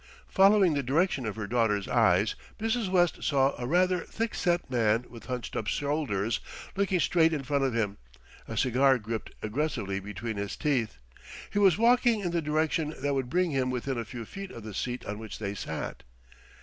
Following the direction of her daughter's eyes, Mrs. West saw a rather thick set man with hunched up shoulders, looking straight in front of him, a cigar gripped aggressively between his teeth. He was walking in the direction that would bring him within a few feet of the seat on which they sat.